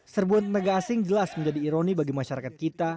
serbuan tenaga asing jelas menjadi ironi bagi masyarakat kita